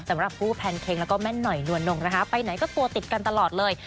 สำหรับผู้แพลนเค้งและแม่หน่อยหน่วนหนงไปไหนก็ตัวติดกันตลอดเลย